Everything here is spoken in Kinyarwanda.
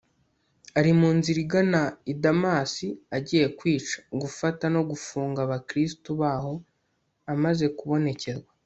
ari mu nzira agana i damasi agiye kwica, gufata no gufunga abakristu baho. amaze kubonekerwa